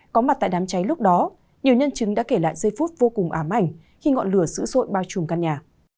có mặt tại đám cháy lúc đó nhiều nhân chứng đã kể lại giây phút vô cùng ám ảnh khi ngọn lửa dữ dội bao trùm căn nhà